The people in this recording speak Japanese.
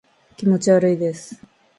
気持ち悪いです